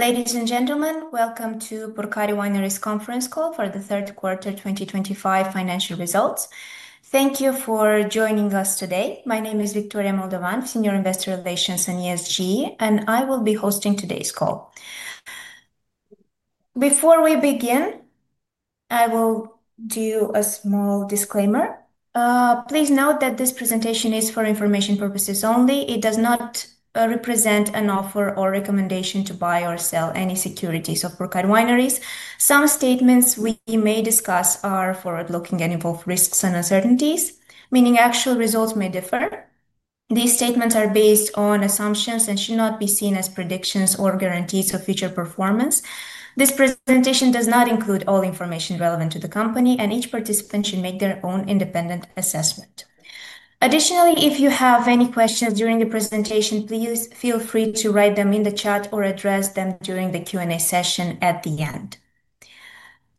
Ladies and gentlemen, welcome to Purcari Wineries Conference Call for the Third Quarter 2025 Financial Results. Thank you for joining us today. My name is Victoria Moldovan, Senior Investor Relations and ESG, and I will be hosting today's call. Before we begin, I will do a small disclaimer. Please note that this presentation is for information purposes only. It does not represent an offer or recommendation to buy or sell any securities of Purcari Wineries. Some statements we may discuss are forward-looking and involve risks and uncertainties, meaning actual results may differ. These statements are based on assumptions and should not be seen as predictions or guarantees of future performance. This presentation does not include all information relevant to the company, and each participant should make their own independent assessment. Additionally, if you have any questions during the presentation, please feel free to write them in the chat or address them during the Q&A session at the end.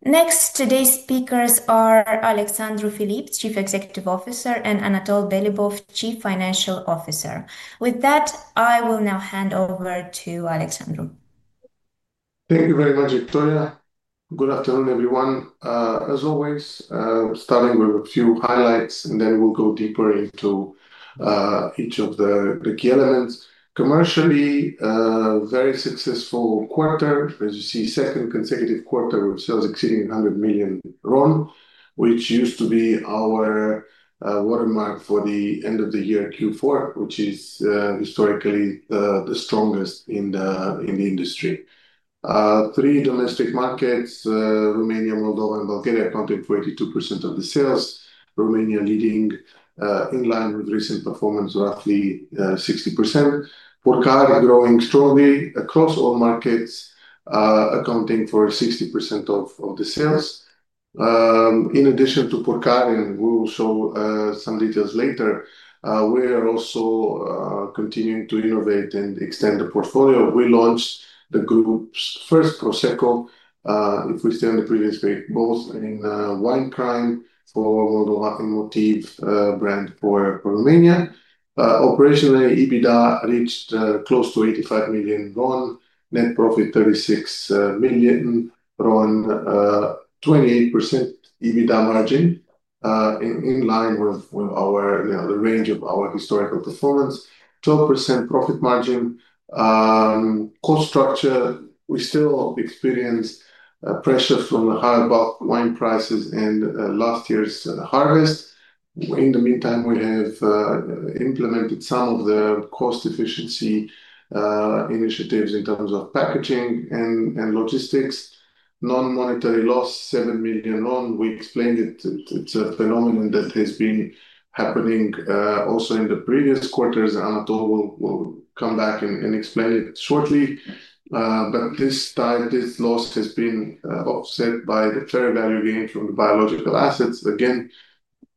Next, today's speakers are Alexandru Filip, Chief Executive Officer, and Anatol Belibov, Chief Financial Officer. With that, I will now hand over to Alexandru. Thank you very much, Victoria. Good afternoon, everyone. As always, starting with a few highlights, and then we'll go deeper into each of the key elements. Commercially, a very successful quarter, as you see, second consecutive quarter with sales exceeding RON 100 million, which used to be our watermark for the end of the year Q4, which is historically the strongest in the industry. Three domestic markets, Romania, Moldova, and Bulgaria, accounting for 82% of the sales, Romania leading in line with recent performance of roughly 60%. Purcari growing strongly across all markets, accounting for 60% of the sales. In addition to Purcari, and we'll show some details later, we are also continuing to innovate and extend the portfolio. We launched the group's first Prosecco, if we stay on the previous page, both in Wine Crime for Moldova and Motif brand for Romania. Operationally, EBITDA reached close to RON 85 million, net profit RON 36 million, 28% EBITDA margin, in line with the range of our historical performance, 12% profit margin. Cost structure, we still experience pressure from the high bulk wine prices and last year's harvest. In the meantime, we have implemented some of the cost efficiency initiatives in terms of packaging and logistics. Non-monetary loss, RON 7 million. We explained it. It's a phenomenon that has been happening also in the previous quarters. Anatol will come back and explain it shortly. This loss has been offset by the fair value gain from the biological assets. Again,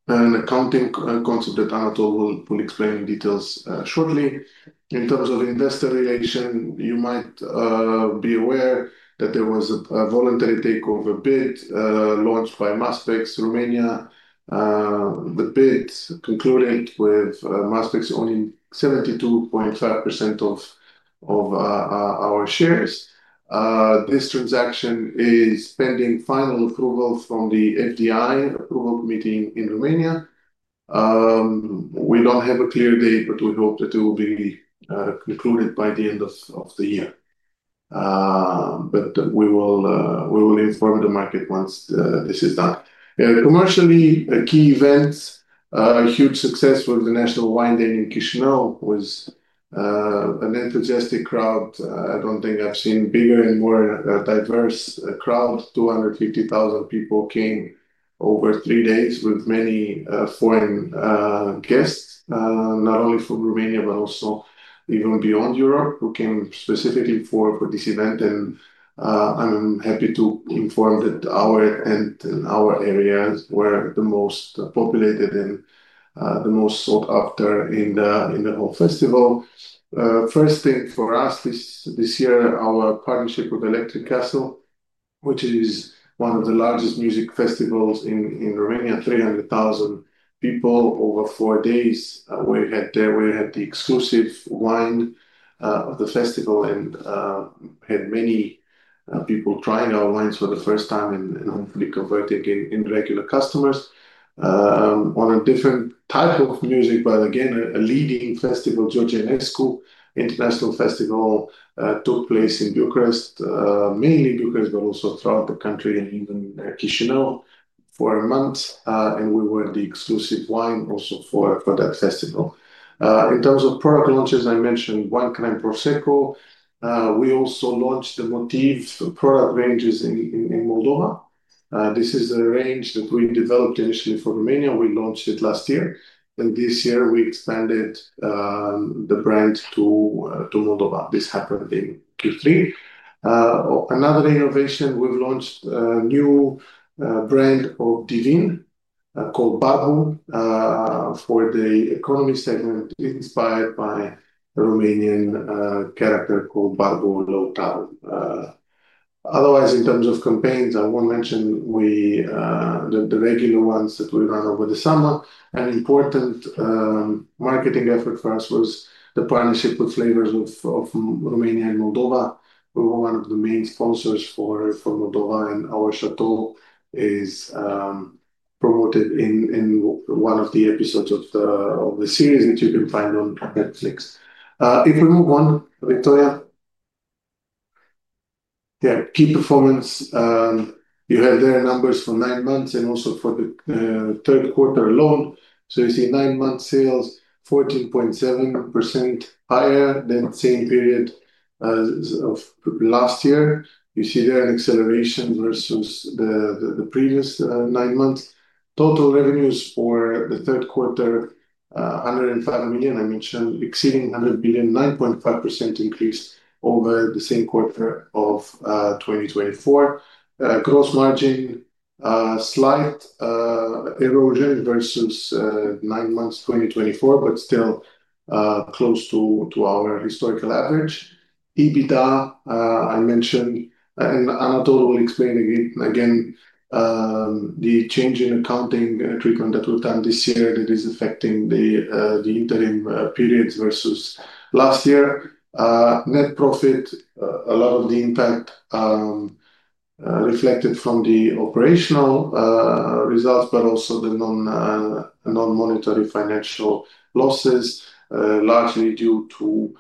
an accounting concept that Anatol will explain in details shortly. In terms of investor relation, you might be aware that there was a voluntary takeover bid launched by Maspex Romania. The bid concluded with Maspex owning 72.5% of our shares. This transaction is pending final approval from the FDI approval committee in Romania. We don't have a clear date, but we hope that it will be concluded by the end of the year. We will inform the market once this is done. Commercially, key events, huge success with the National Wine Day in Chișinău was an enthusiastic crowd. I don't think I've seen a bigger and more diverse crowd. 250,000 people came over three days with many foreign guests, not only from Romania but also even beyond Europe, who came specifically for this event. I'm happy to inform that our area were the most populated and the most sought after in the whole festival. First thing for us this year, our partnership with Electric Castle, which is one of the largest music festivals in Romania, 300,000 people over four days. We had the exclusive wine of the festival and had many people trying our wines for the first time and hopefully converting in regular customers. On a different type of music, but again, a leading festival, Georgianescu, international festival took place in Bucharest, mainly Bucharest, but also throughout the country and even Chișinău for a month. We were the exclusive wine also for that festival. In terms of product launches, I mentioned Wine Crime Prosecco. We also launched the Motif product ranges in Moldova. This is a range that we developed initially for Romania. We launched it last year. This year, we expanded the brand to Moldova. This happened in Q3. Another innovation, we've launched a new brand of DIVIN called Barbu for the economy segment inspired by a Romanian character called Barbu Lăutaru. Otherwise, in terms of campaigns, I won't mention the regular ones that we run over the summer. An important marketing effort for us was the partnership with Flavors of Romania and Moldova. We were one of the main sponsors for Moldova, and our château is promoted in one of the episodes of the series that you can find on Netflix. If we move on, Victoria. Yeah, key performance. You have their numbers for nine months and also for the third quarter alone. You see nine-month sales, 14.7% higher than the same period of last year. You see there an acceleration versus the previous nine months. Total revenues for the third quarter, RON 105 million, I mentioned, exceeding RON 100 million, 9.5% increase over the same quarter of 2024. Gross margin slight erosion versus nine months 2024, but still close to our historical average. EBITDA, I mentioned, and Anatol will explain again the change in accounting treatment that we've done this year that is affecting the interim periods versus last year. Net profit, a lot of the impact reflected from the operational results, but also the non-monetary financial losses, largely due to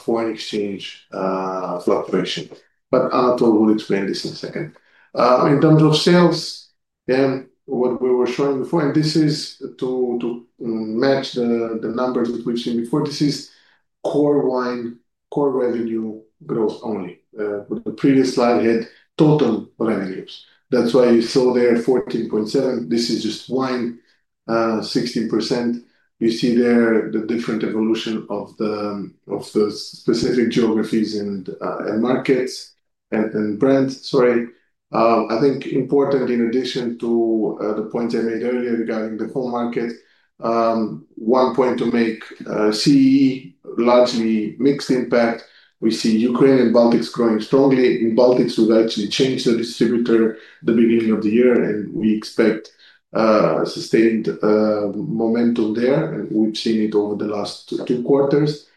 foreign exchange fluctuation. Anatol will explain this in a second. In terms of sales, again, what we were showing before, and this is to match the numbers that we've seen before, this is core wine, core revenue growth only. The previous slide had total revenues. That is why you saw there 14.7%. This is just wine, 16%. You see there the different evolution of the specific geographies and markets and brands. Sorry. I think important, in addition to the points I made earlier regarding the whole market, one point to make, CEE, largely mixed impact. We see Ukraine and Baltics growing strongly. In Baltics, we've actually changed the distributor at the beginning of the year, and we expect sustained momentum there, and we've seen it over the last two quarters.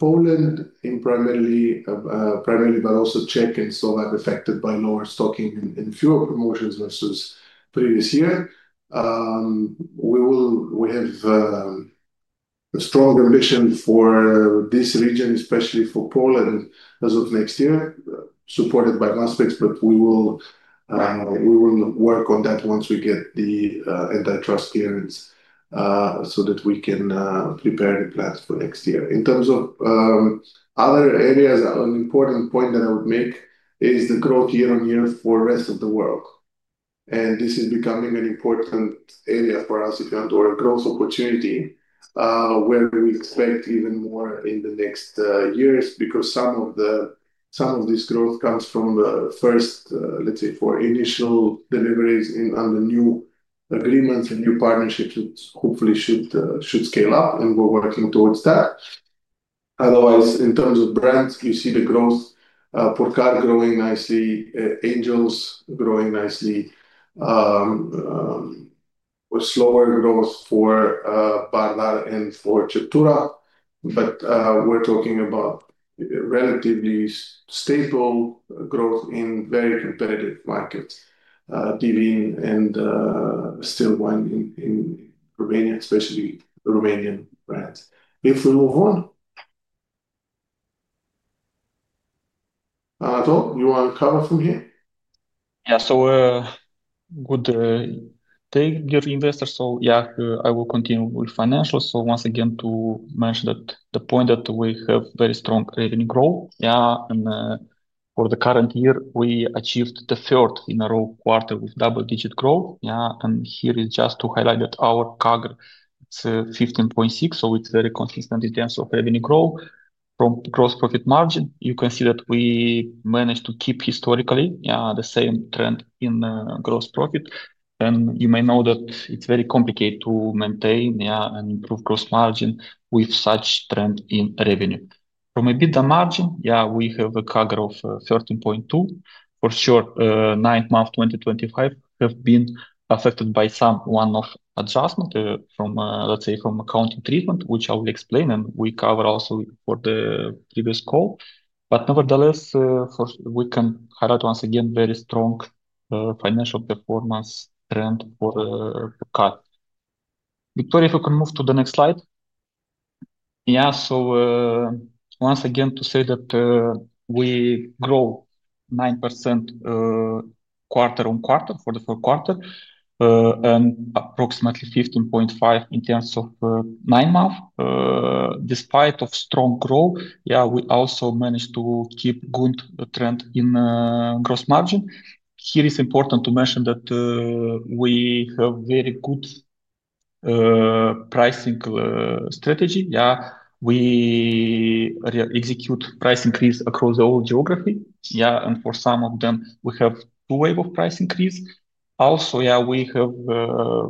Poland, primarily, but also Czech and Slovak affected by lower stocking and fewer promotions versus previous year. We have a strong ambition for this region, especially for Poland, as of next year, supported by Maspex, but we will work on that once we get the antitrust clearance so that we can prepare the plans for next year. In terms of other areas, an important point that I would make is the growth year-on-year for the rest of the world. This is becoming an important area for us if you want to work, growth opportunity where we expect even more in the next years because some of this growth comes from the first, let's say, for initial deliveries and the new agreements and new partnerships that hopefully should scale up, and we're working towards that. Otherwise, in terms of brands, you see the growth, Purcari growing nicely, Angels growing nicely, slower growth for Bardar and for Ceptura, but we're talking about relatively stable growth in very competitive markets, DIVIN and still wine in Romania, especially Romanian brands. If we move on. Anatol, you want to cover from here? Yeah, so good day, dear investors. Yeah, I will continue with financials. Once again, to mention that the point that we have very strong revenue growth. Yeah, and for the current year, we achieved the third in a row quarter with double-digit growth. Yeah, and here is just to highlight that our CAGR, it's 15.6%, so it's very consistent in terms of revenue growth from gross profit margin. You can see that we managed to keep historically the same trend in gross profit. You may know that it's very complicated to maintain and improve gross margin with such trend in revenue. From EBITDA margin, yeah, we have a CAGR of 13.2%. For sure, ninth month 2025 has been affected by some one-off adjustment, let's say, from accounting treatment, which I will explain, and we cover also for the previous call. Nevertheless, we can highlight once again very strong financial performance trend for CAGR. Victoria, if you can move to the next slide. Yeah, so once again to say that we grow 9% quarter-on-quarter for the fourth quarter and approximately 15.5% in terms of nine months. Despite strong growth, yeah, we also managed to keep good trend in gross margin. Here it's important to mention that we have very good pricing strategy. Yeah, we execute price increase across the whole geography. Yeah, and for some of them, we have two wave of price increase. Also, yeah, we have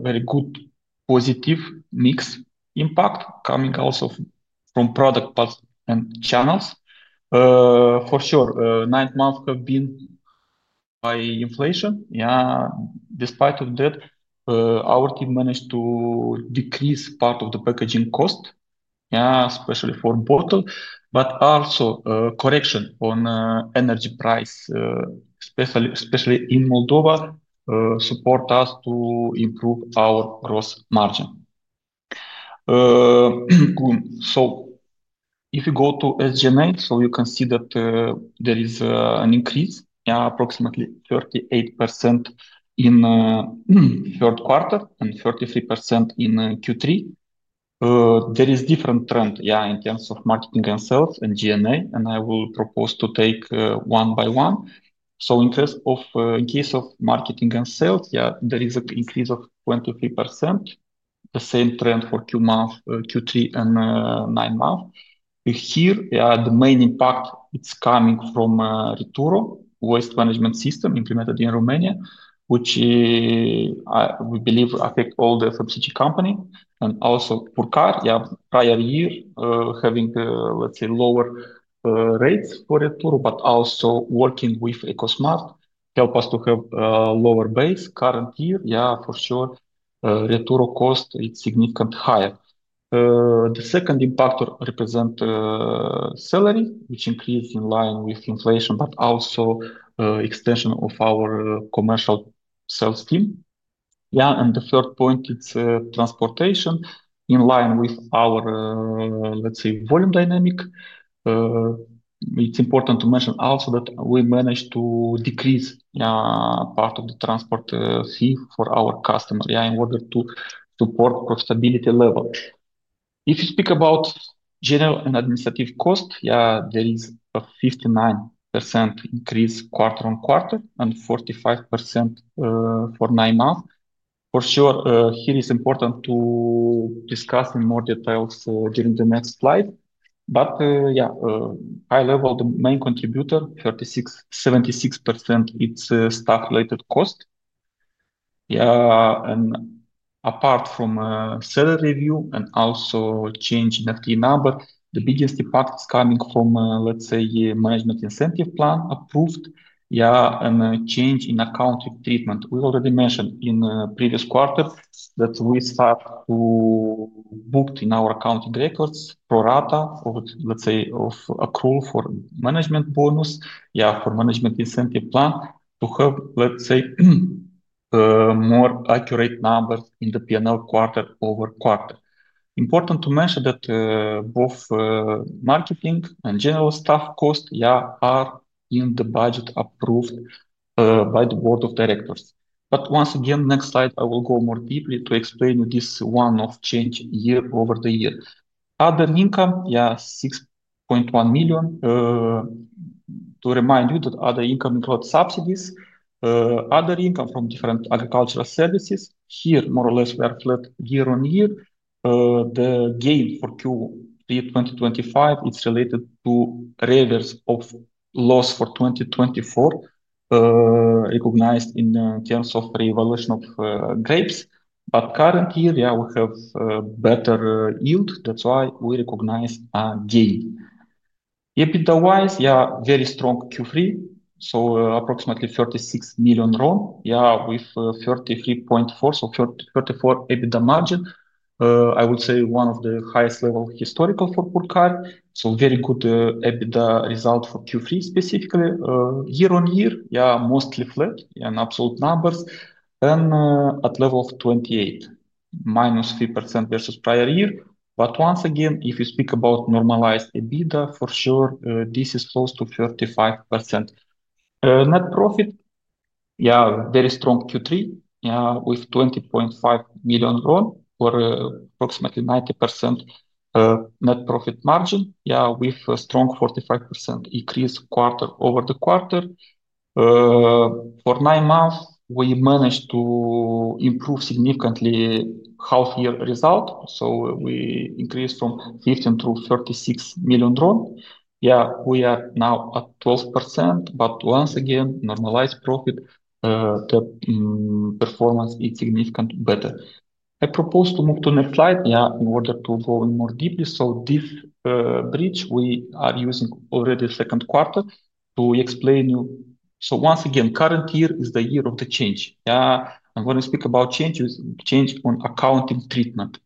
very good positive mix impact coming also from product and channels. For sure, nine months have been by inflation. Yeah, despite of that, our team managed to decrease part of the packaging cost, yeah, especially for bottle, but also correction on energy price, especially in Moldova, support us to improve our gross margin. If you go to SG&A, you can see that there is an increase, yeah, approximately 38% in third quarter and 33% in Q3. There is different trend, yeah, in terms of marketing and sales and G&A, and I will propose to take one by one. In case of marketing and sales, yeah, there is an increase of 23%, the same trend for Q3 and nine months. Here, yeah, the main impact, it's coming from Rituro, waste management system implemented in Romania, which we believe affect all the FMCG company. Also, Purcari, yeah, prior year having, let's say, lower rates for Rituro, but also working with Ecosmart helped us to have lower base current year. Yeah, for sure, Rituro cost, it's significantly higher. The second impactor represents salary, which increased in line with inflation, but also extension of our commercial sales team. Yeah, and the third point, it's transportation in line with our, let's say, volume dynamic. It's important to mention also that we managed to decrease part of the transport fee for our customer, yeah, in order to support stability level. If you speak about general and administrative cost, yeah, there is a 59% increase quarter-on-quarter and 45% for nine months. For sure, here it's important to discuss in more details during the next slide. Yeah, high level, the main contributor, 76%, it's staff-related cost. Yeah, and apart from salary review and also change in FTE number, the biggest impact is coming from, let's say, management incentive plan approved, yeah, and change in accounting treatment. We already mentioned in previous quarter that we start to book in our accounting records pro rata or, let's say, of accrual for management bonus, yeah, for management incentive plan to have, let's say, more accurate numbers in the P&L quarter-over-quarter. Important to mention that both marketing and general staff cost, yeah, are in the budget approved by the board of directors. Once again, next slide, I will go more deeply to explain this one-off change year over the year. Other income, yeah, RON 6.1 million. To remind you that other income includes subsidies. Other income from different agricultural services. Here, more or less, we are flat year-on-year. The gain for Q3 2025, it's related to reverse of loss for 2024, recognized in terms of reevaluation of grapes. But current year, yeah, we have better yield. That's why we recognize a gain. EBITDA-wise, yeah, very strong Q3. So approximately RON 36 million, yeah, with 33.4%, so 34% EBITDA margin. I would say one of the highest level historical for Purcari. So very good EBITDA result for Q3 specifically. year-on-year, yeah, mostly flat, yeah, in absolute numbers. And at level of 28, -3% versus prior year. But once again, if you speak about normalized EBITDA, for sure, this is close to 35%. Net profit, yeah, very strong Q3, yeah, with RON 20.5 million for approximately 90% net profit margin, yeah, with strong 45% increase quarter over the quarter. For nine months, we managed to improve significantly healthier result. We increased from RON 15 million-RON 36 million. Yeah, we are now at 12%, but once again, normalized profit, the performance is significantly better. I propose to move to the next slide, yeah, in order to go in more deeply. This bridge, we are using already second quarter to explain you. Once again, current year is the year of the change. Yeah, I'm going to speak about change on accounting treatment.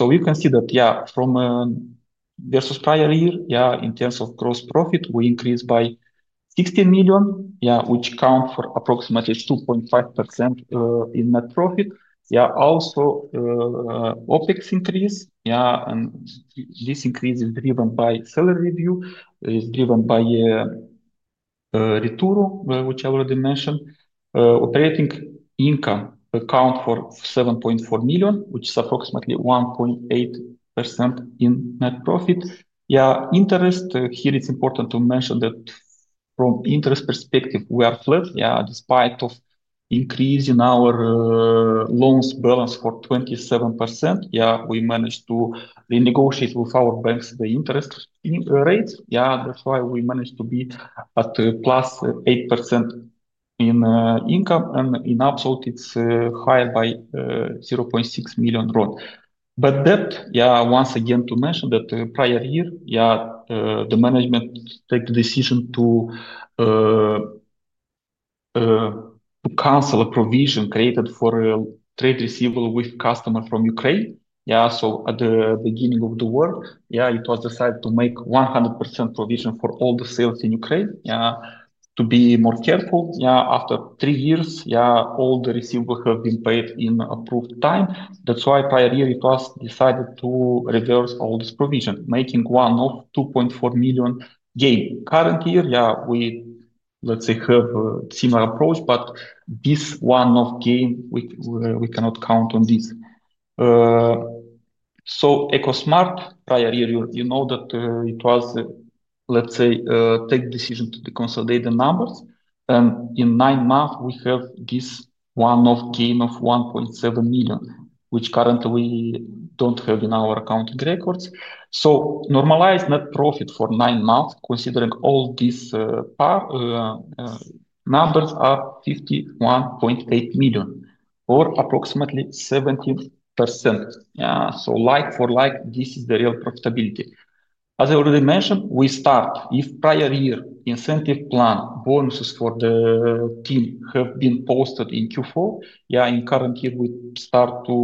You can see that, yeah, from versus prior year, yeah, in terms of gross profit, we increased by 16 million, yeah, which counts for approximately 2.5% in net profit. Yeah, also OPEX increase, yeah, and this increase is driven by salary review, is driven by Rituro, which I already mentioned. Operating income account for 7.4 million, which is approximately 1.8% in net profit. Yeah, interest, here it's important to mention that from interest perspective, we are flat, yeah, despite increasing our loans balance for 27%, yeah, we managed to renegotiate with our banks the interest rates. Yeah, that's why we managed to be at +8% in income, and in absolute, it's higher by RON 0.6 million. That, yeah, once again to mention that prior year, yeah, the management take the decision to cancel a provision created for a trade receivable with customer from Ukraine. Yeah, so at the beginning of the war, yeah, it was decided to make 100% provision for all the sales in Ukraine, yeah, to be more careful. Yeah, after three years, yeah, all the receivable have been paid in approved time. That's why prior year, it was decided to reverse all this provision, making one-off RON 2.4 million gain. Current year, yeah, we, let's say, have a similar approach, but this one-off gain, we cannot count on this. So Ecosmart, prior year, you know that it was, let's say, take the decision to consolidate the numbers. And in nine months, we have this one-off gain of RON 1.7 million, which currently we don't have in our accounting records. So normalized net profit for nine months, considering all these numbers, is RON 51.8 million or approximately 17%. Yeah, so like for like, this is the real profitability. As I already mentioned, we start if prior year incentive plan bonuses for the team have been posted in Q4, yeah, in current year, we start to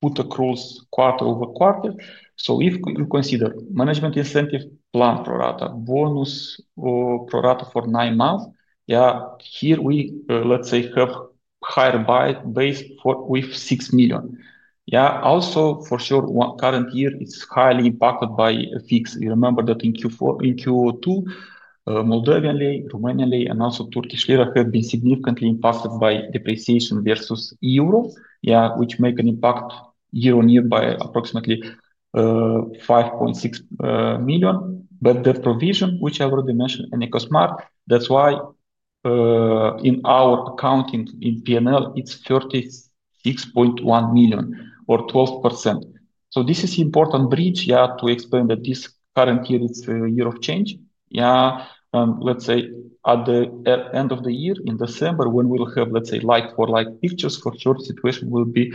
put across quarter-over-quarter. So if you consider management incentive plan pro rata bonus or pro rata for nine months, yeah, here we, let's say, have higher base with RON 6 million. Yeah, also for sure, current year is highly impacted by FX. You remember that in Q2, Moldovan lei, Romanian leu, and also Turkish lira have been significantly impacted by depreciation versus euro, yeah, which make an impact year-on-year by approximately 5.6 million. But the provision, which I already mentioned in Ecosmart, that's why in our accounting in P&L, it's RON 36.1 million or 12%. So this is an important bridge, yeah, to explain that this current year is a year of change. Yeah, and let's say at the end of the year, in December, when we will have, let's say, like for like pictures, for sure, the situation will be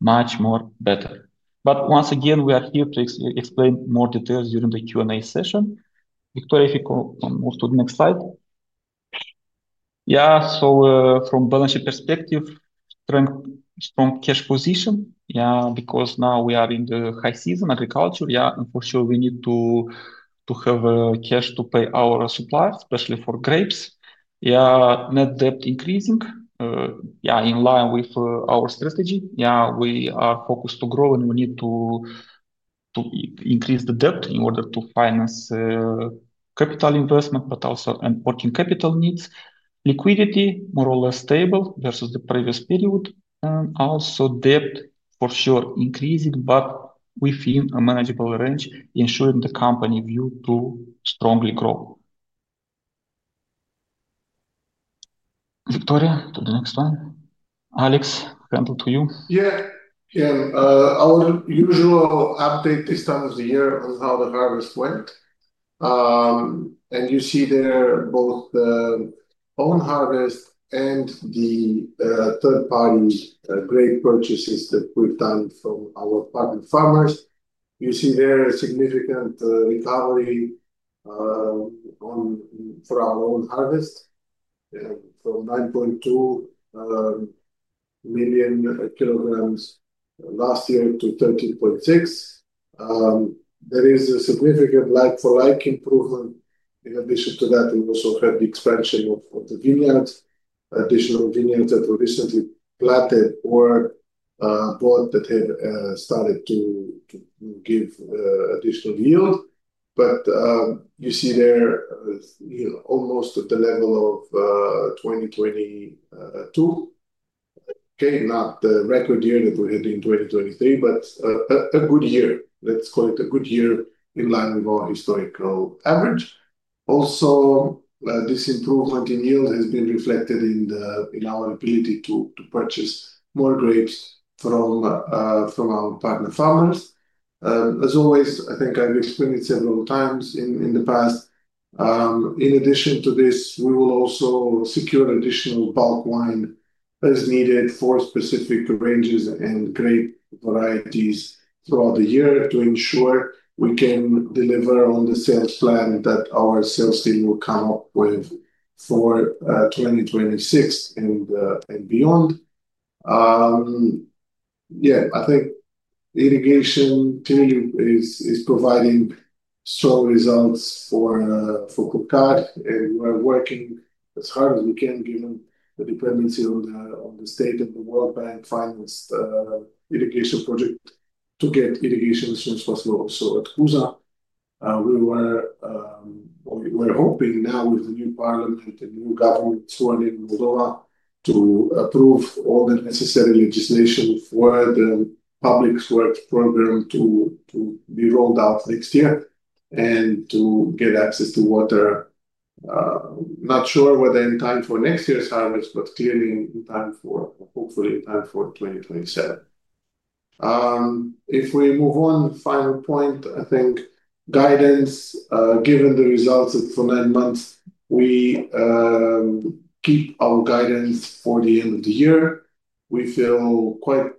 much more better. Once again, we are here to explain more details during the Q&A session. Victoria, if you can move to the next slide. Yeah, so from balance sheet perspective, strong cash position, yeah, because now we are in the high season, agriculture, yeah, and for sure, we need to have cash to pay our suppliers, especially for grapes. Yeah, net debt increasing, yeah, in line with our strategy. Yeah, we are focused to grow and we need to increase the debt in order to finance capital investment, but also working capital needs. Liquidity, more or less stable versus the previous period. Also, debt, for sure, increasing, but within a manageable range, ensuring the company view to strongly grow. Victoria, to the next one. Alex, handle to you. Yeah, yeah. Our usual update this time of the year on how the harvest went. You see there both the own harvest and the third-party grape purchases that we've done from our partner farmers. You see there a significant recovery for our own harvest from 9.2 million kilograms last year to 13.6. There is a significant like-for-like improvement. In addition to that, we also had the expansion of the vineyards, additional vineyards that were recently planted or bought that have started to give additional yield. You see there almost at the level of 2022. Okay, not the record year that we had in 2023, but a good year. Let's call it a good year in line with our historical average. Also, this improvement in yield has been reflected in our ability to purchase more grapes from our partner farmers. As always, I think I've explained it several times in the past. In addition to this, we will also secure additional bulk wine as needed for specific ranges and grape varieties throughout the year to ensure we can deliver on the sales plan that our sales team will come up with for 2026 and beyond. Yeah, I think irrigation team is providing strong results for Purcari. And we're working as hard as we can given the dependency on the state of the World Bank financed irrigation project to get irrigation as soon as possible also at Cuza. We were hoping now with the new parliament and new government sworn in Moldova to approve all the necessary legislation for the public works program to be rolled out next year and to get access to water. Not sure whether in time for next year's harvest, but clearly in time for, hopefully in time for 2027. If we move on, final point, I think guidance, given the results for nine months, we keep our guidance for the end of the year. We feel quite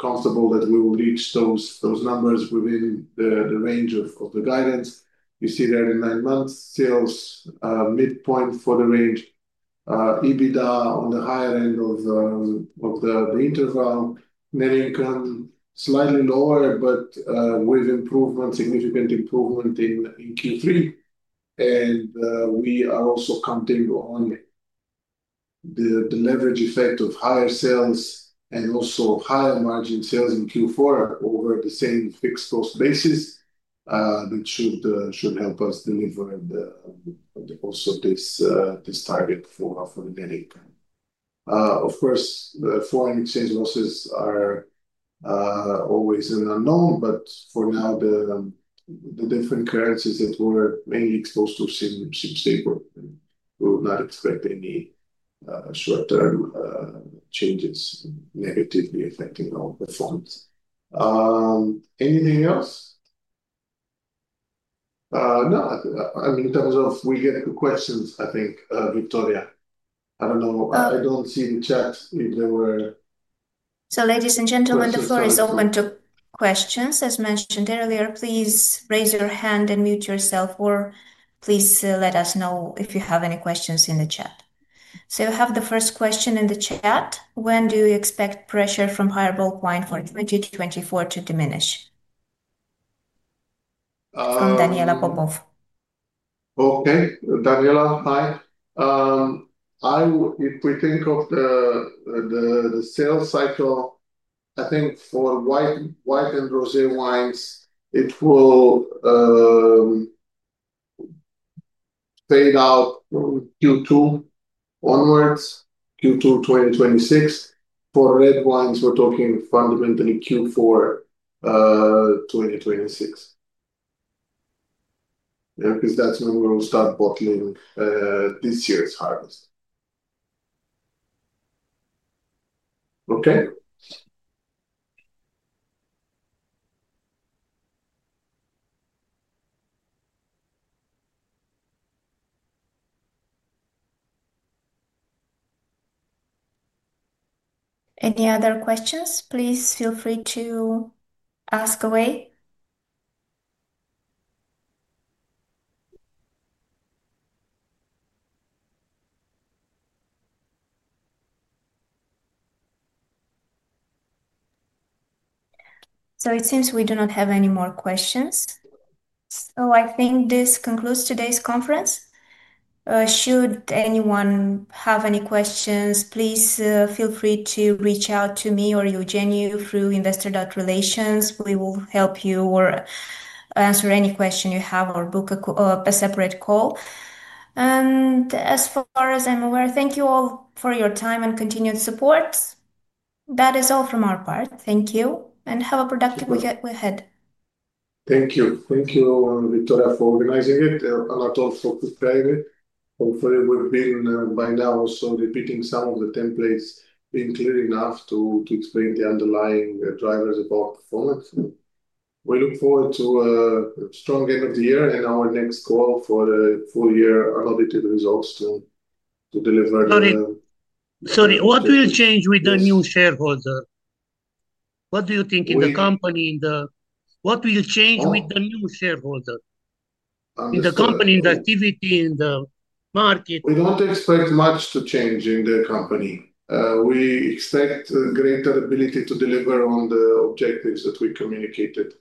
comfortable that we will reach those numbers within the range of the guidance. You see there in nine months, sales midpoint for the range. EBITDA on the higher end of the interval. Net income slightly lower, but with significant improvement in Q3. We are also counting on the leverage effect of higher sales and also higher margin sales in Q4 over the same fixed cost basis that should help us deliver also this target for the net income. Of course, foreign exchange losses are always an unknown, but for now, the different currencies that we're mainly exposed to seem stable. We will not expect any short-term changes negatively affecting all the funds. Anything else? No. I mean, in terms of we get questions, I think, Victoria. I don't know. I don't see the chat if there were. Ladies and gentlemen, the floor is open to questions. As mentioned earlier, please raise your hand and mute yourself, or please let us know if you have any questions in the chat. You have the first question in the chat. When do you expect pressure from higher bulk wine for 2024 to diminish? From Daniela Popov. Okay. Daniela, hi. If we think of the sales cycle, I think for white and rosé wines, it will fade out Q2 onwards, Q2 2026. For red wines, we're talking fundamentally Q4 2026. Because that's when we will start bottling this year's harvest. Any other questions? Please feel free to ask away. It seems we do not have any more questions. I think this concludes today's conference. Should anyone have any questions, please feel free to reach out to me or Eugeniu through investor.relations. We will help you or answer any question you have or book a separate call. As far as I'm aware, thank you all for your time and continued support. That is all from our part. Thank you. Have a productive week ahead. Thank you. Thank you, Victoria, for organizing it. A lot of work preparing it. Hopefully, we've been by now also repeating some of the templates, being clear enough to explain the underlying drivers of our performance. We look forward to a strong end of the year and our next call for the full-year annotated results to deliver. Sorry. What will change with the new shareholder? What do you think in the company? What will change with the new shareholder? In the company, in the activity, in the market? We don't expect much to change in the company. We expect greater ability to deliver on the objectives that we communicated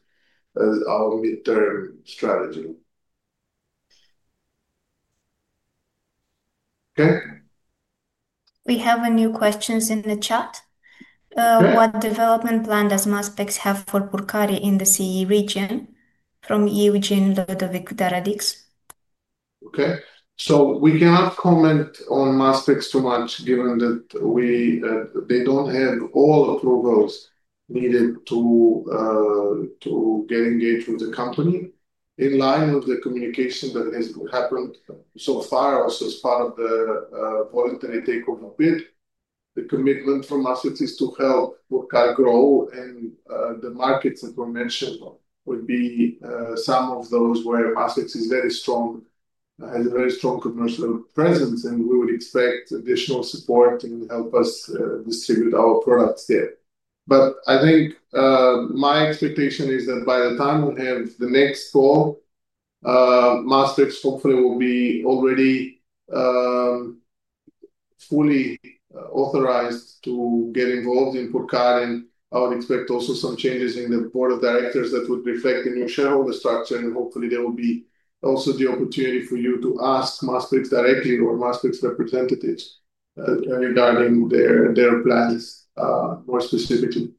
as our midterm strategy. Okay. We have a new question in the chat. What development plan does Maspex have for Purcari in the CE region from Eugene Ludovic Daradics? Okay. We cannot comment on Maspex too much given that they don't have all approvals needed to get engaged with the company. In line with the communication that has happened so far also as part of the voluntary takeover bid, the commitment from Maspex is to help Purcari grow. The markets that were mentioned would be some of those where Maspex is very strong, has a very strong commercial presence, and we would expect additional support and help us distribute our products there. I think my expectation is that by the time we have the next call, Maspex hopefully will be already fully authorized to get involved in Purcari. I would expect also some changes in the board of directors that would reflect the new shareholder structure. Hopefully, there will be also the opportunity for you to ask Maspex directly or Maspex representatives regarding their plans more specifically.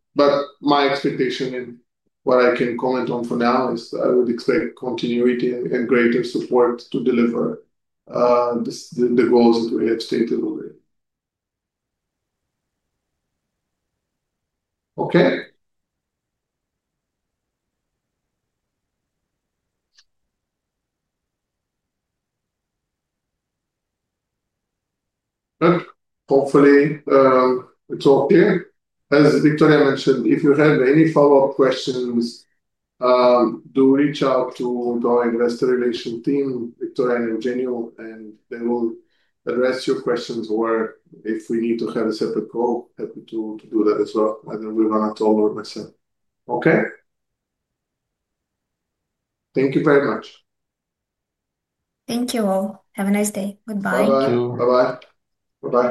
My expectation and what I can comment on for now is I would expect continuity and greater support to deliver the goals that we have stated already. Okay. Good. Hopefully, it's all clear. As Victoria mentioned, if you have any follow-up questions, do reach out to our investor relations team, Victoria and Eugeniu, and they will address your questions or if we need to have a separate call, happy to do that as well. And then we run a toll or message. Okay? Thank you very much. Thank you all. Have a nice day. Goodbye. Thank you. Bye-bye. Bye-bye.